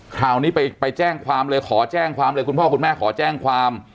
คราวนี้ไปแจ้งความเลยขอแจ้งความเลยคุณพ่อคุณแม่ขอแจ้งความ